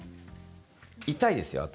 痛いですよ、あと。